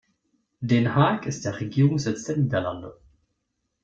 Den Haag ist der Regierungssitz der Niederlande.